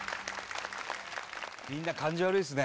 みんな感じ悪いっすね